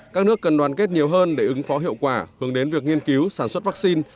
các nước cần đoàn kết nhiều hơn để ứng phó hiệu quả hướng đến việc nghiên cứu sản xuất vaccine